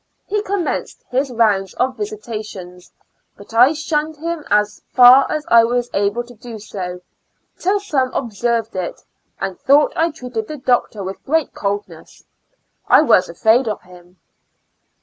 He commenced bis rounds of visitation, but I sbunned bim as far as I was able to do so, till some observed it, and tbougbt I treated tbe doctor witb ofreat coldness. I was afraid of bim.